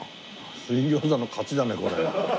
水餃子の勝ちだねこれ。